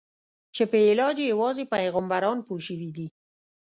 چې په علاج یې یوازې پیغمبران پوه شوي دي.